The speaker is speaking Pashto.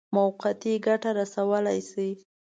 موقتي ګټه رسولای شي.